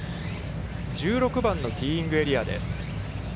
１６番のティーイングエリアです。